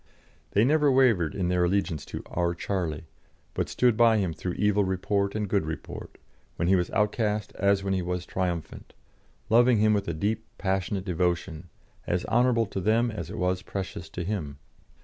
They never wavered in their allegiance to "our Charlie," but stood by him through evil report and good report, when he was outcast as when he was triumphant, loving him with a deep, passionate devotion, as honourable to them as it was precious to him.